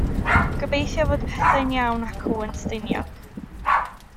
Gobeithio fod petha'n iawn acw yn Stiniog.